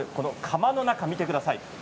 釜の中を見てください。